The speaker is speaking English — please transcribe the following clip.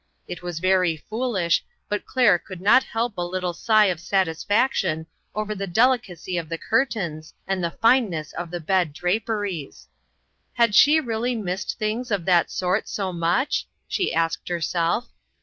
It was very foolish, but Claire could not help a little sigh of satisfaction over the delicacy of the curtains and the fineness of the bed draperies. Had she realty missed things of that sort so much? she asked herself.